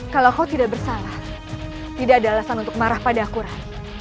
kalau kau tidak bersalah tidak ada alasan untuk marah pada quran